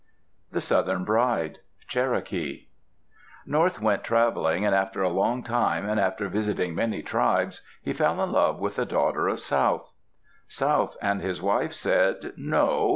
THE SOUTHERN BRIDE Cherokee North went traveling, and after a long time, and after visiting many tribes, he fell in love with the daughter of South. South and his wife said, "No.